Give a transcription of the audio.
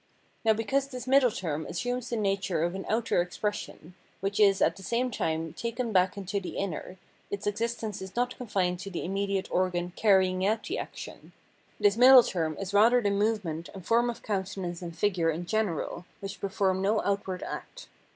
Now because this middle term assumes the nature of an outer expression, which is at the same time taken back into the inner, its existence is not confined to the immediate organ carrying out the action ; this middle term is rather the movement and form of coun tenance and figure in general which perform no outward act.